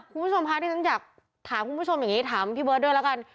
คุณผู้ชมคะที่ฉันอยากถามคุณผู้ชมอย่างนี้ถามพี่เบิร์ตด้วยแล้วกัน